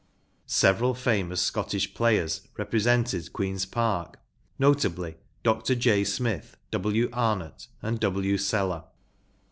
Several famous Scottish players repre¬ sented Queen’s Park, notably Dr. J. Smith, VV\ Arnott, and W. Sellar.